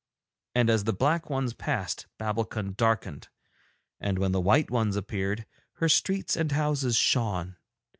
And, as the black ones passed Babbulkund darkened, and when the white ones appeared her streets and houses shone.